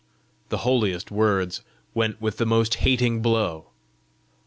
The holiest words went with the most hating blow.